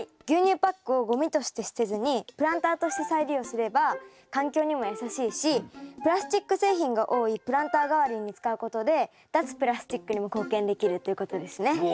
牛乳パックをゴミとして捨てずにプランターとして再利用すれば環境にもやさしいしプラスチック製品が多いプランター代わりに使うことで脱プラスチックにも貢献できるっていうことですね。